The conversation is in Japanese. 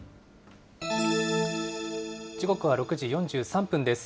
時刻は６時４３分です。